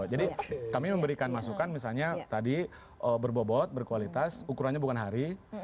jadi kami memberikan masukan misalnya tadi berbobot berkualitas ukurannya bukan hari